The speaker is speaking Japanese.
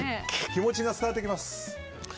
気持ちが伝わってきます。